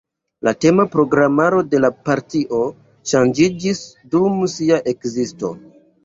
La tema programaro de la partio ŝanĝiĝis dum sia ekzisto.